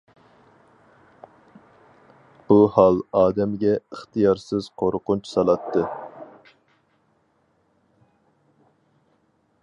بۇ ھال ئادەمگە ئىختىيارسىز قورقۇنچ سالاتتى.